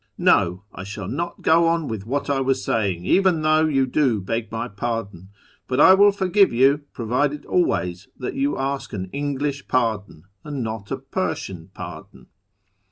No, I shall not go on with what I was saying, even though you do beg my pardon ; but I will forgive you, provided always that you ask an ' English pardon ' and not a ' Persian pardon.'